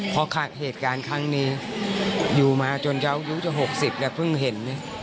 พอขาดเหตุการณ์ครั้งนี้อยู่มาจนเขาอายุจะ๖๐แล้วเพิ่งเห็น